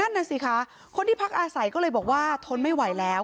นั่นน่ะสิคะคนที่พักอาศัยก็เลยบอกว่าทนไม่ไหวแล้ว